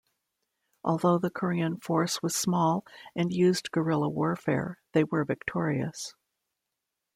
Although the Korean force was small and used guerrilla warfare, they were victorious.